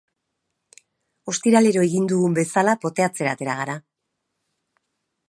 Ostiralero egin dugun bezala, poteatzera atera gara.